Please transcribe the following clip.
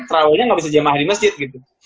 terawihnya nggak bisa jamaah di masjid gitu